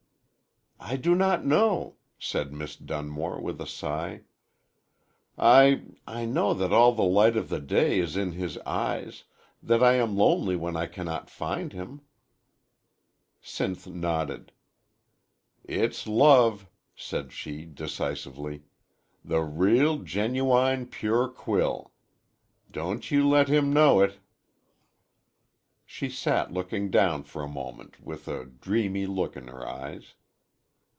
"I do not know," said Miss Dunmore, with a sigh. "I I know that all the light of the day is in his eyes that I am lonely when I cannot find him." Sinth nodded. "It's love," said she, decisively "the real, genuwine, pure quill. Don't ye let him know it." She sat looking down for a moment with a dreamy look in her eyes.